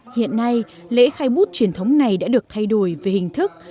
hiện nay lễ khai bút truyền thống này đã được thay đổi về hình thức